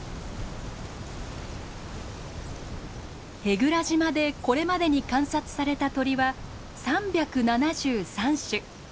舳倉島でこれまでに観察された鳥は３７３種。